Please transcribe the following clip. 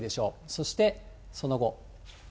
そしてその後。